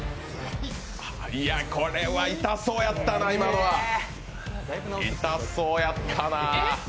これは痛そうやったな今のは、痛そうやったなぁ。